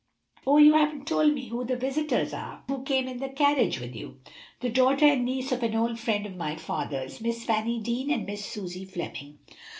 Oh, you haven't told me who the visitors are who came in the carriage with you!" "The daughter and niece of an old friend of my father's, Miss Fanny Deane and Miss Susie Fleming."